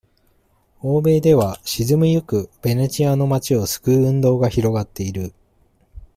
欧米では、沈みゆくベネチアの町を救う運動が広がっている。